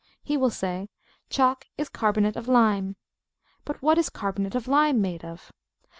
He will say Chalk is carbonate of lime. But what is carbonate of lime made of?